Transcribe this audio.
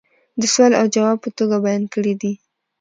دسوال او جواب په توگه بیان کړي دي